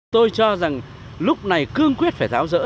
tôi cho rằng lúc này cương quyết phải tháo rỡ